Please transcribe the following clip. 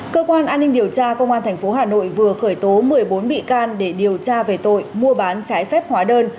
cơ quan an ninh điều tra công an tp hà nội vừa khởi tố một mươi bốn bị can để điều tra về tội mua bán trái phép hóa đơn